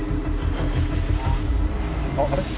あっあれ？